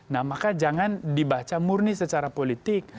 nah maka jangan dibaca murni secara politik